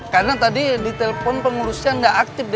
karena tadi di telpon pengurusnya gak aktif d